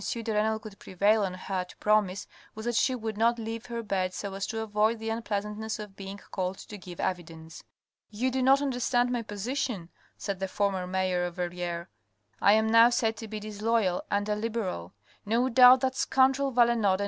de Renal could prevail on her to promise was that she would not leave her bed so as to avoid the unpleasantness of being called to give evidence. "You do not understand my position," said the former mayor of Verrieres. " I am now said to be disloyal and a Liberal. No doubt that scoundrel Valenod and M.